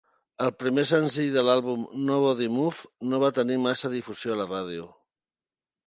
El primer senzill de l'àlbum, "Nobody Move", no va tenir massa difusió a la ràdio.